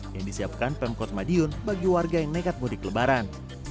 yang disiapkan pemkot madiun bagi warga yang nekat mudik lebaran